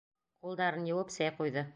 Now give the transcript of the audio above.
Ҡулдарын йыуып, сәй ҡуйҙы.